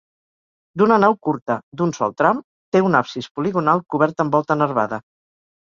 D'una nau curta, d'un sol tram, té un absis poligonal cobert amb volta nervada.